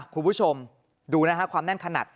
คุณผู้ชมดูนะฮะความแน่นขนาด